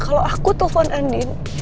kalau aku telpon andin